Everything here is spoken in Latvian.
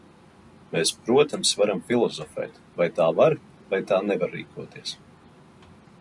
Mēs, protams, varam filozofēt, vai tā var vai tā nevar rīkoties.